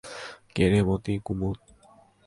কে রে মতি, কুমুদ?